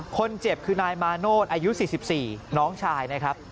คนเจ็บคือนายมาโนธอายุ๔๔น้องชายนะครับ